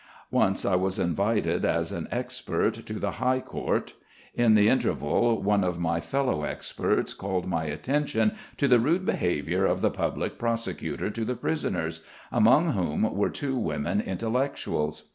Once I was invited as an expert to the High Court. In the interval one of my fellow experts called my attention to the rude behaviour of the public prosecutor to the prisoners, among whom were two women intellectuals.